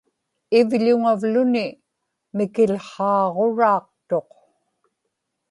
ivḷuŋavluni mikiłhaaġuraaqtuq